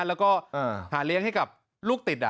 แล้วก็หาเลี้ยงให้กับลูกติด